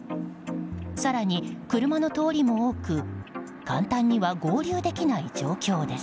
更に、車の通りも多く簡単には合流できない状況です。